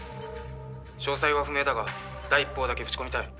「詳細は不明だが第一報だけぶち込みたい」